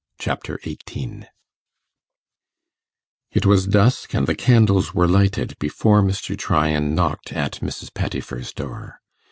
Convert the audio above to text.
Chapter 18 It was dusk, and the candles were lighted before Mr. Tryan knocked at Mrs. Pettifer's door.